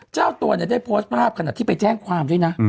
เจ้าตัวเนี่ยได้โพสต์ภาพขณะที่ไปแจ้งความด้วยนะ